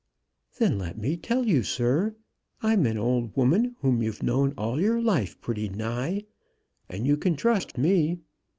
"Then let me tell you, sir. I'm an old woman whom you've known all your life pretty nigh, and you can trust me.